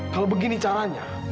kalau begini caranya